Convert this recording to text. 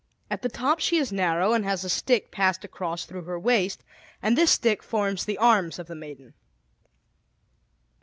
At the top she is narrow, and has a stick passed across through her waist, and this stick forms the arms of the maiden.